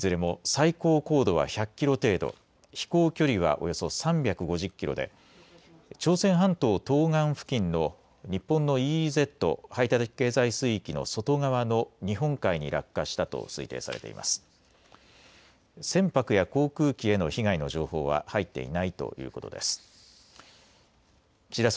いずれも最高高度は１００キロ程度飛行距離はおよそ３５０キロで朝鮮半島東岸付近の日本のＥＥＺ＝排他的経済水域の外側の日本海に落下したと推定されています。